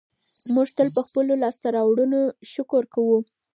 موږ تل په خپلو لاسته راوړنو شکر کوو.